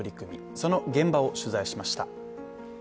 その現場を取材しました。